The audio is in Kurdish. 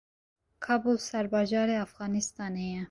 Kabûl serbajarê Efxanistanê ye.